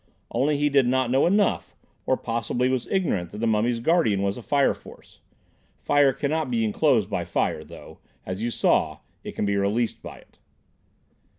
Only he did not know enough, or possibly was ignorant that the mummy's guardian was a fire force. Fire cannot be enclosed by fire, though, as you saw, it can be released by it."